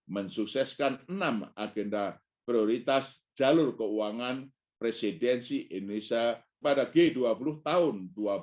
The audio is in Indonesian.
mensukseskan enam agenda prioritas jalur keuangan presidensi indonesia pada g dua puluh tahun dua ribu dua puluh